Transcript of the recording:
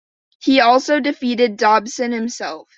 He also defeated Dobson himself.